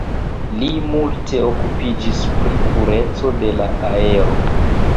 Li multe okupiĝis pri pureco de la aero.